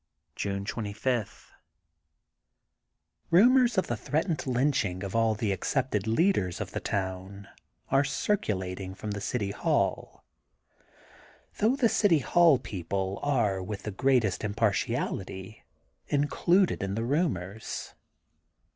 June 25 :— ^Bomors of the threatened lynch ing of all the accepted leaders of the town are circulating from the City Hall, though the City Hall people are with the greatest im partiality included in the rumors.